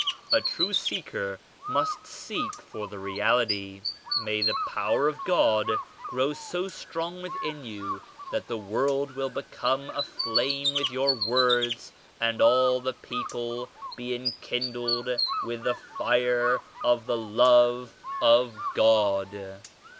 A true seeker must seek for the Reality. May the Power of God grow so strong within you that the world will become aflame with your words and all the people be en kindled with the Fire of the Love of God.